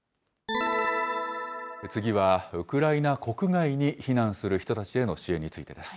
次は、ウクライナ国外に避難する人たちへの支援についてです。